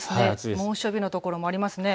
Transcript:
猛暑日の所もありますね。